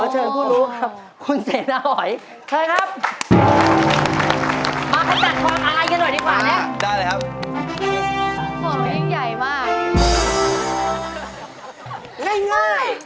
ขอเชิญพูดรู้ครับคุณเสน่อเหรอ